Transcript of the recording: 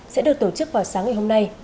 sẽ được tổ chức vào sáng ngày hôm nay